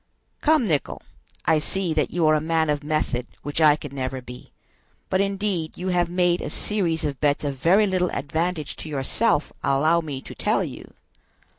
"Come, Nicholl. I see that you are a man of method, which I could never be; but indeed you have made a series of bets of very little advantage to yourself, allow me to tell you."